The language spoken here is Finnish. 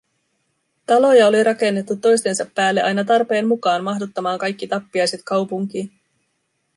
Taloja oli rakennettu toistensa päälle aina tarpeen mukaan mahduttamaan kaikki tappiaiset kaupunkiin.